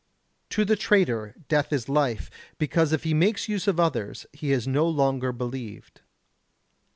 To the traitor, death is life, because if he makes use of others he is no longer believed.